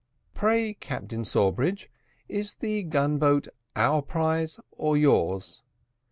"Pray, Captain Sawbridge, is the gun boat our prize or yours?"